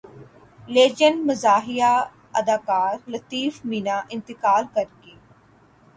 legend مزاحیہ اداکار لطیف منا انتقال کر گئے